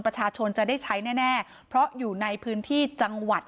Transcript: ประชาชนจะได้ใช้แน่เพราะอยู่ในพื้นที่จังหวัด